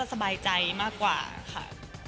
สบายใจมากกว่าค่ะ